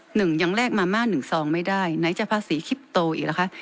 หนึ่งยังแลกมาม่าหนึ่งซองไม่ได้ไหนจะภาษีคลิปโตอีกล่ะคะ